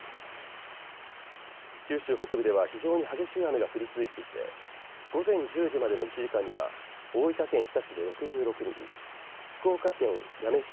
九州北部では非常に激しい雨が降っていて午前１０時までの１時間には大分県日田市で６６ミリ福岡新八女市